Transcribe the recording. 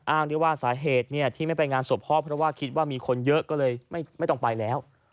ได้ว่าสาเหตุที่ไม่ไปงานศพพ่อเพราะว่าคิดว่ามีคนเยอะก็เลยไม่ต้องไปแล้ว